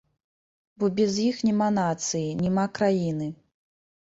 Бо без іх няма нацыі, няма краіны.